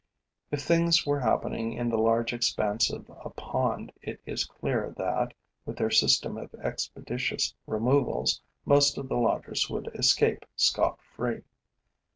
If things were happening in the large expanse of a pond, it is clear that, with their system of expeditious removals, most of the lodgers would escape scot free.